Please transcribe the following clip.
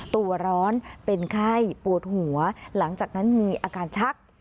ตัวร้อนเป็นไข้ปวดหัวหลังจากนั้นมีอาการชัก